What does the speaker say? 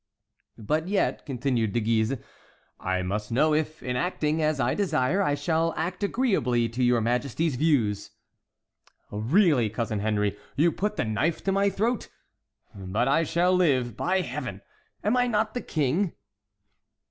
"But yet," continued De Guise, "I must know if, in acting as I desire, I shall act agreeably to your Majesty's views." "Really, cousin Henry, you put the knife to my throat! But I shall live. By Heaven! am I not the king?"